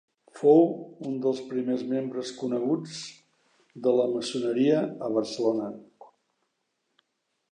Fou un dels primers membres coneguts de la maçoneria a Barcelona.